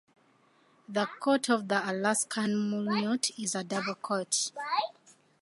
The coat of the Alaskan Malamute is a double coat.